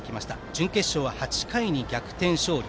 準決勝は８回に逆転勝利。